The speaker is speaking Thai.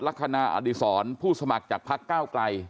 ลักษณะอดีศรผู้สมัครจากพักก้าวไกล